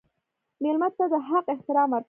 مېلمه ته د حق احترام ورکړه.